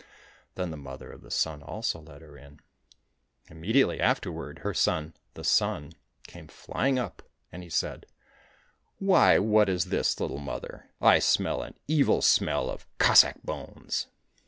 Then the Mother of the Sun also let her in. Immediately afterward her son, the Sun, came flying up, and he said, " Why, what is this, little mother ? I smell an evil smell of Cossack bones